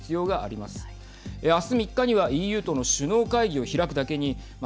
明日３日にはＥＵとの首脳会議を開くだけにまあ